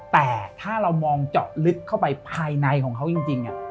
แต่ถ้าเรามองเจาะลึกเข้าไปภายในของเขาจริง